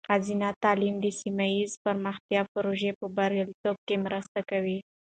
ښځینه تعلیم د سیمه ایزې پرمختیا پروژو په بریالیتوب کې مرسته کوي.